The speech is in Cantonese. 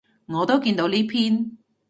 我都見到呢篇